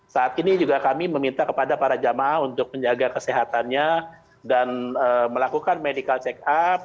saat ini juga kami meminta kepada para jamaah untuk menjaga kesehatannya dan melakukan medical check up